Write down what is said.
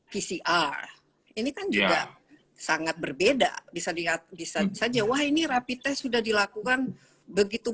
pcr ini kan juga sangat berbeda bisa dilihat bisa saja wah ini rapi tes sudah dilakukan begitu